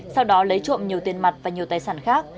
sau đó lấy trộm nhiều tiền mặt và nhiều tài sản khác